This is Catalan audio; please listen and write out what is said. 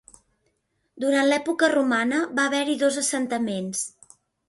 Durant l'època romana va haver-hi dos assentaments.